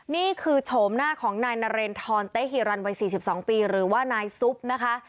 โฉมหน้าของนายนเรนทรเต๊ฮิรันวัย๔๒ปีหรือว่านายซุปนะคะ